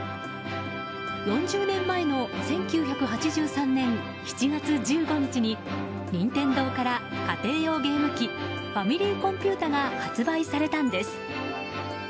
４０年前の１９８３年７月１５日に任天堂から家庭用ゲーム機ファミリーコンピュータが発売されたんです。